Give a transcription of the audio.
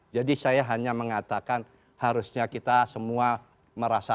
jadi saya hanya mengatakan harusnya kita semua merasa